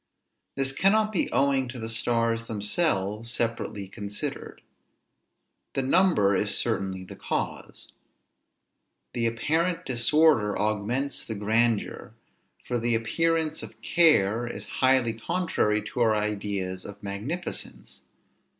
This cannot be owing to the stars themselves, separately considered. The number is certainly the cause. The apparent disorder augments the grandeur, for the appearance of care is highly contrary to our ideas of magnificence.